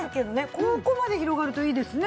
ここまで広がるといいですね。